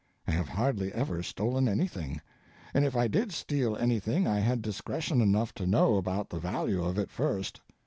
I have hardly ever stolen anything, and if I did steal anything I had discretion enough to know about the value of it first.